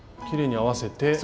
きれいに合わせて。